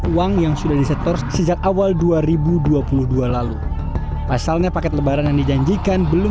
uang yang sudah disetor sejak awal dua ribu dua puluh dua lalu pasalnya paket lebaran yang dijanjikan belum